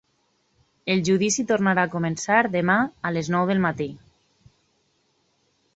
El judici tornarà a començar demà a les nou del matí.